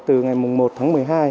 từ ngày một tháng một mươi hai